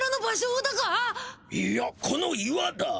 いいやこの岩だ。